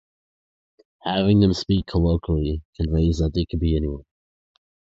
Having them speak colloquially conveys that they could be anyone.